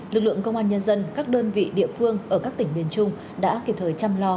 lực lượng công an nhân dân các đơn vị địa phương ở các tỉnh miền trung đã kịp thời chăm lo